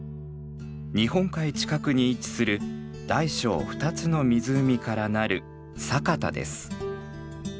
日本海近くに位置する大小２つの湖からなる佐潟です。